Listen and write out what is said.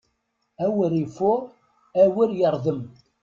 Awer ifuṛ, awer yeṛdem!